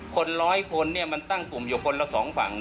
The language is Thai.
คน๑๐๐คนมันตั้งกลุ่มอยู่บนละ๒ฝั่ง